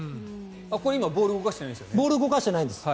これ今、ボールは動かしてないですよね。